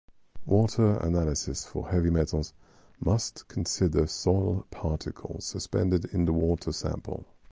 Water analysis for heavy metals must consider soil particles suspended in the water sample.